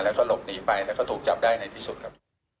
แล้วก็หลบหนีไปแล้วก็ถูกจับได้ในที่สุดครับ